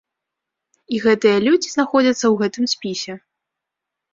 І гэтыя людзі знаходзяцца ў гэтым спісе.